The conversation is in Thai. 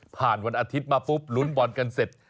วันอาทิตย์มาปุ๊บลุ้นบอลกันเสร็จ